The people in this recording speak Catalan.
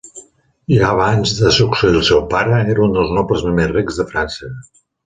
Ja abans de succeir al seu pare era un dels nobles més rics de França.